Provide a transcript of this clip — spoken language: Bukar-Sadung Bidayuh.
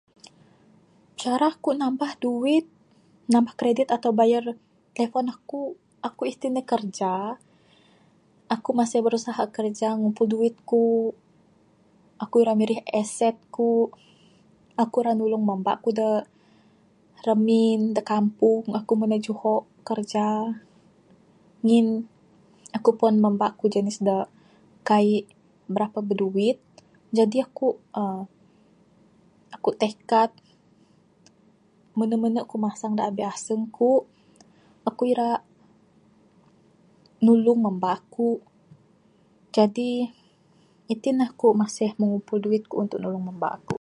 Cara ku nambah duit, nambah kredit atau bayar telephone aku, aku itin ne kerja aku Masih berusaha kerja ngumpul duit ku. Ku ra mirih asset ku, aku ra nulung mamba ku da ramin, da kampung aku mene juho kerja. Ngin aku puan mamba ku jenis da kaik brapa biduit jadi aku uhh tekad mene mene ku masang abih aseng ku. Aku ira nulung mamba aku Jadi aku itin masih mengumpul duit untuk nulung mamba aku.